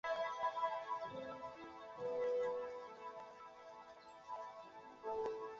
苞片狸藻为狸藻属中型似多年生食虫植物。